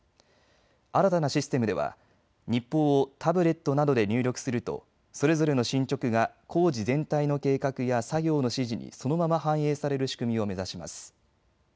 新たなシステムでは日報をタブレットなどで入力するとそれぞれの進捗が工事全体の計画や作業の指示にそのまま反映される仕組みを目指します。